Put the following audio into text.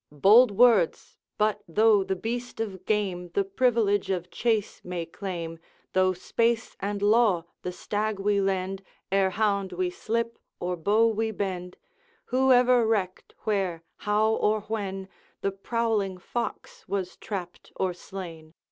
'Bold words! but, though the beast of game The privilege of chase may claim, Though space and law the stag we lend Ere hound we slip or bow we bend Who ever recked, where, how, or when, The prowling fox was trapped or slain?